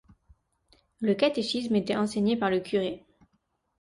Le catéchisme était enseigné par le curé.